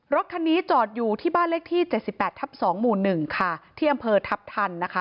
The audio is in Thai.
รถคันนี้จอดอยู่ที่บ้านเลขที่๗๘ทับ๒หมู่๑ค่ะที่อำเภอทัพทันนะคะ